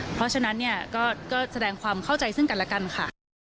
เพราะฉะนั้นเนี่ยก็แสดงความเข้าใจซึ่งกันแล้วกันค่ะ